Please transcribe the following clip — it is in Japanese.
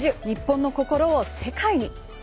日本の心を世界に」。